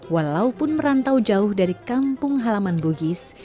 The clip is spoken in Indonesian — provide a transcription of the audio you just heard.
walaupun merantau jauh dari kampung halaman bugis